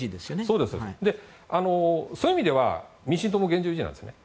そういう意味では民進党も現状維持なんですね。